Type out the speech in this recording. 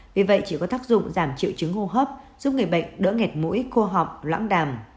vì vậy chỉ có tác dụng giảm triệu chứng hô hấp giúp người bệnh đỡ nghẹt mũi khô họp loãng đàm